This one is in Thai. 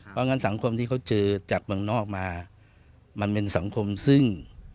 เพราะงั้นสังคมที่เขาเจอจากเมืองนอกมามันเป็นสังคมซึ่ง